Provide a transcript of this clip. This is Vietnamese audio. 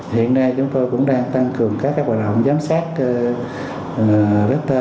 hiện nay chúng tôi cũng đang tăng cường các hoạt động giám sát rector